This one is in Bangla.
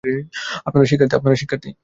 আপনারা শিক্ষার্থী?